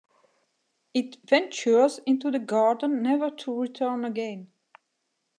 It ventures into the garden, never to return again.